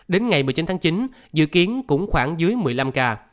đến ngày một mươi chín tháng chín dự kiến cũng khoảng dưới một mươi năm ca